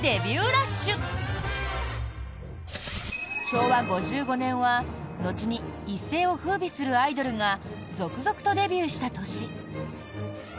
昭和５５年は後に一世を風靡するアイドルが続々とデビューした年。